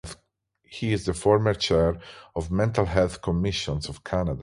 He is the former chair of the Mental Health Commission of Canada.